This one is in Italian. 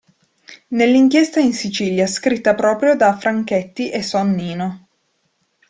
Nell'Inchiesta in Sicilia, scritta proprio da Franchetti e Sonnino.